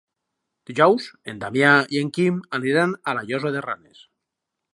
Dijous en Damià i en Quim aniran a la Llosa de Ranes.